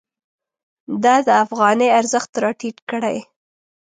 دا د افغانۍ ارزښت راټیټ کړی.